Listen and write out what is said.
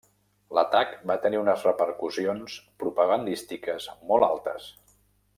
L'atac va tenir unes repercussions propagandístiques molt altes.